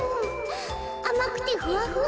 あまくてふわふわ。